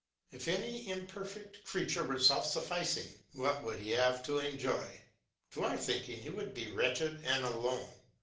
If any imperfect creature were self sufficing, what would he have to enjoy? To our thinking he would be wretched and alone.